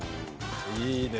いいね。